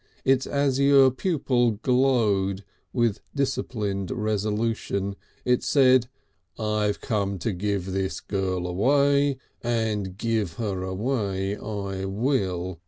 Its azure pupil glowed with disciplined resolution. It said: "I've come to give this girl away, and give her away I will.